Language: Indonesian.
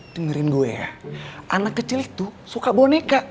dengerin gue ya anak kecil itu suka boneka